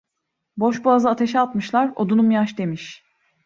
Boşboğazı ateşe atmışlar, odunum yaş demiş.